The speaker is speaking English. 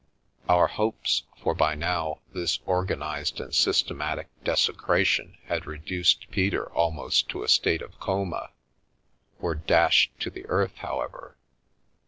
Our hopes — for by now, this organised and systematic desecration had reduced Peter almost to a state of coma — were dashed to the earth, however.